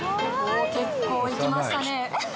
結構いきましたね。